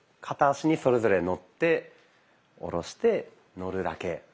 片足にそれぞれのって下ろしてのるだけ。